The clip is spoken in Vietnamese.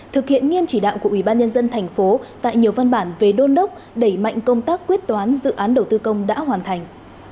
thực hiện nghiêm chỉ đạo của ủy ban nhân dân thành phố tại nhiều văn bản về đôn đốc đẩy mạnh công tác quyết toán dự án đầu tư công đã hoàn thành